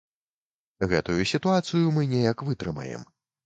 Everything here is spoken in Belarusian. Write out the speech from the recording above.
Гэтую сітуацыю мы неяк вытрымаем.